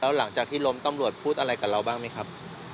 หลังจากที่ล้มตำรวจพูดอะไรกับเราบ้างไหมครับ